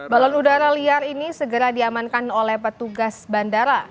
balon udara liar ini segera diamankan oleh petugas bandara